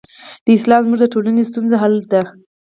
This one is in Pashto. دا اسلام زموږ د ټولو ستونزو حل دی.